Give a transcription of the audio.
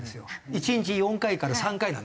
１日４回から３回なんですよ。